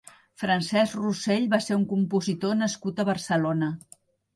Francesc Rossell va ser un compositor nascut a Barcelona.